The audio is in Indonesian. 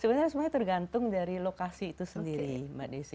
sebenarnya semuanya tergantung dari lokasi itu sendiri mbak desi